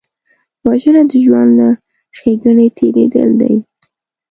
وژنه د ژوند له ښېګڼې تېرېدل دي